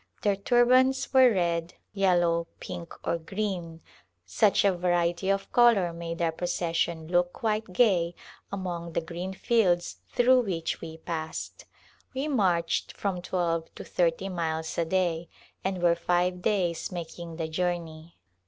Their turbans were red, yellow, pink or green ; such a variety of color made our pro cession look quite gay among the green fields through which we passed. We marched from twelve to thirty miles a day and were five days making the journey.